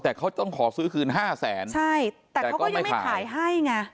แต่เขาต้องขอซื้อคืนห้าแสนใช่แต่เขาก็ยังไม่ขายให้ไง